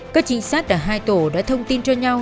các trinh sát ở hai tổ đã thông tin cho nhau